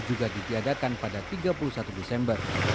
juga ditiadakan pada tiga puluh satu desember